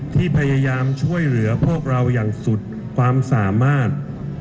ที่พยายามช่วยเหลือพวกเราอย่างสุดความสามารถ